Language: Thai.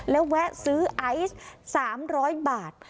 แล้วแวะซื้อไอซ์๓๐๐บาท